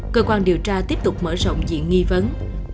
cơ quan điều tra tiếp tục mở rộng diện nghi vấn